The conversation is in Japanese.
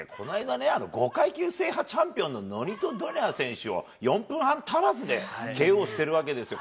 この間、５階級制覇チャンピオンのドネア選手を４分半足らずでＫＯしているわけですよ。